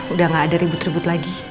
udah gak ada ribut ribut lagi